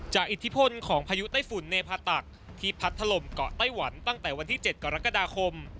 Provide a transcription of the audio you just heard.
อิทธิพลของพายุไต้ฝุ่นเนพาตักที่พัดถล่มเกาะไต้หวันตั้งแต่วันที่๗กรกฎาคม